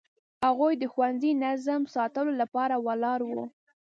هغوی د ښوونځي نظم ساتلو لپاره ولاړ وو.